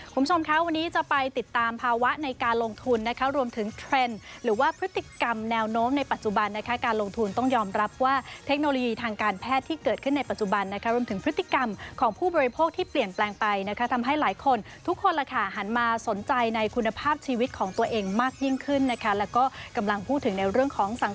คุณผู้ชมคะวันนี้จะไปติดตามภาวะในการลงทุนนะคะรวมถึงเทรนด์หรือว่าพฤติกรรมแนวโน้มในปัจจุบันนะคะการลงทุนต้องยอมรับว่าเทคโนโลยีทางการแพทย์ที่เกิดขึ้นในปัจจุบันนะคะรวมถึงพฤติกรรมของผู้บริโภคที่เปลี่ยนแปลงไปนะคะทำให้หลายคนทุกคนล่ะค่ะหันมาสนใจในคุณภาพชีวิตของตัวเองมากยิ่งขึ้นนะคะแล้วก็กำลังพูดถึงในเรื่องของสัง